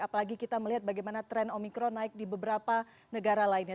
apalagi kita melihat bagaimana tren omikron naik di beberapa negara lainnya